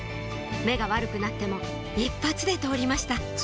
目が悪くなっても一発で通りました